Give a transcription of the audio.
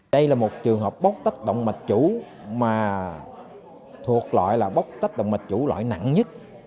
đây là một trường hợp bóc tách động mạch chủ mà thuộc loại là bóc tách động mạch chủ loại nặng nhất